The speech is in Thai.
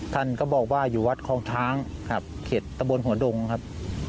ท่านก็บอกว่าอยู่วัดคลองช้างครับเขตตะบนหัวดงครับ